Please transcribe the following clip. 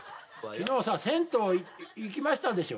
昨日さ銭湯行きましたでしょ？